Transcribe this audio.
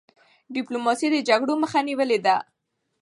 ډيپلوماسی د جګړو مخه نیولي ده.